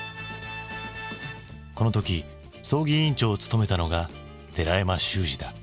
この時葬儀委員長を務めたのが寺山修司だ。